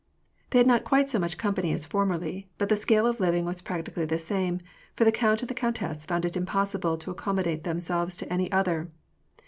They had not quite as much company as formerly ; but the scale of living was practically the same, for the count and the countess found it impossible to accommodate themselves to any other.